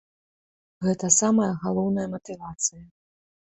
Гэта самая галоўная матывацыя.